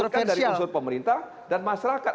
kita hanya menyebutkan dari unsur pemerintah dan masyarakat